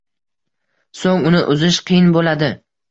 so‘ng uni uzish qiyin bo‘ladi.